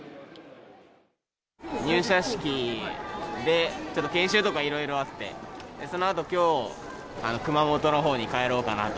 入社式でちょっと研修とかいろいろあって、そのあときょう、熊本のほうに帰ろうかなと。